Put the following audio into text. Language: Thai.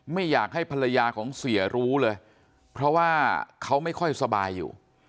ไม่อยากให้ภรรยาของเสียรู้เลยเพราะว่าเขาไม่ค่อยสบายอยู่